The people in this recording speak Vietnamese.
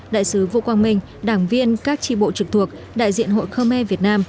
đại sứ vũ quang minh đảng viên các tri bộ trực thuộc đại diện hội khmer việt nam